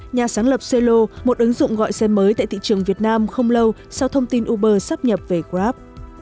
nhà sáng lập cello một ứng dụng gọi xe mới tại thị trường việt nam không lâu sau thông tin uber sắp nhập về grab